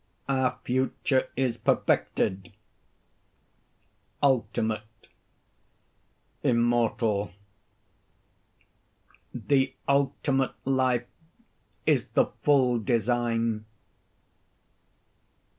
Our future is perfected, ultimate, immortal. The ultimate life is the full design.